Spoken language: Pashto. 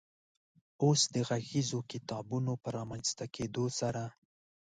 اوس د غږیزو کتابونو په رامنځ ته کېدو سره